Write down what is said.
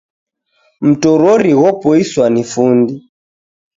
Mtorori ghopoiswa ni fundi.